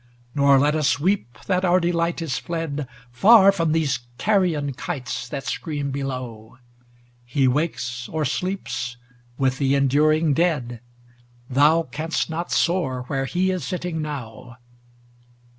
XXXVIII Nor let us weep that our delight is fled Far from these carrion kites that scream below; He wakes or sleeps with the enduring dead; Thou canst not soar where he is sitting now.